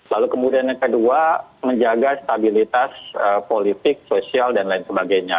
lalu kemudian yang kedua menjaga stabilitas politik sosial dan lain sebagainya